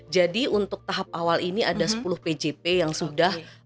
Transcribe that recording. jadi untuk tahap awal ini ada sepuluh pjp yang sudah